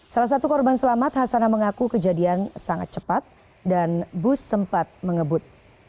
salah satu korban selamat hasana mengaku kejadian sangat cepat dan bus sempat mengebut